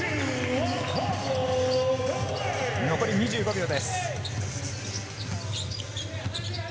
残り２５秒です。